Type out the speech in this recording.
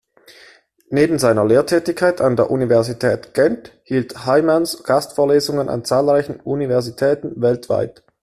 Neben seiner Lehrtätigkeit an der Universität Gent hielt Heymans Gastvorlesungen an zahlreichen Universitäten weltweit.